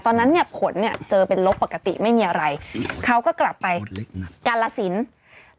ตอนนั้นผลเจอเป็นลบปกติไม่มีอะไรเขาก็กลับไปกาลสินค่ะ